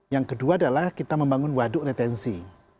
yang kedua adalah kita membangun waduk retensi